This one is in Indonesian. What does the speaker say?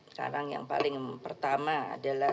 sekarang yang paling pertama adalah